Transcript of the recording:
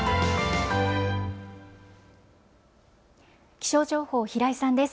気象情報、平井さんです。